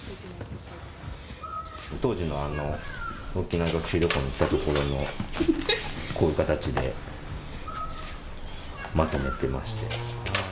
当時の沖縄学習旅行に行った所の、こういう形でまとめてまして。